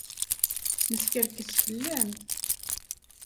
Neskerkes fell-am.